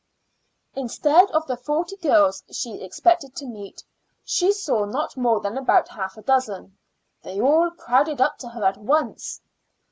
Instead of the forty girls she expected to meet, she saw not more than about half a dozen. They all crowded up to her at once.